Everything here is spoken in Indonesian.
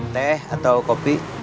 teh atau kopi